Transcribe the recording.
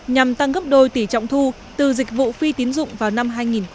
nhằm tăng gấp đôi tỉ trọng thu từ dịch vụ phi tín dụng vào năm hai nghìn hai mươi